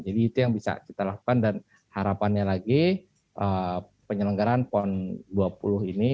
jadi itu yang bisa kita lakukan dan harapannya lagi penyelenggaraan pon dua puluh ini